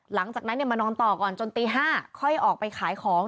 หลังจากนั้นมานอนต่อก่อนจนตี๕ค่อยออกไปขายของ